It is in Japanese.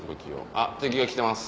あっ敵が来てます。